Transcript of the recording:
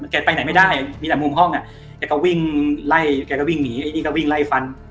แกไปไหนไม่ได้มีแต่มุมห้องอ่ะแกก็วิ่งไล่แกก็วิ่งหนีไอ้นี่ก็วิ่งไล่ฟัน